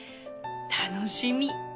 楽しみ！